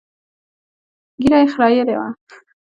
ږيره يې خرييلې وه.